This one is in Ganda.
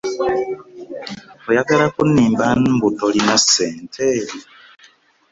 Oyagala kunnimba mbu tolina ssente?